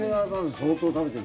相当食べてる？